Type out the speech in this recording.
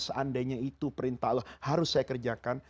seandainya itu perintah allah harus saya kerjakan